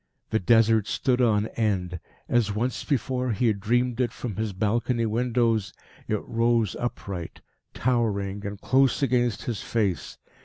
The Desert stood on end. As once before he had dreamed it from his balcony windows, it rose upright, towering, and close against his face.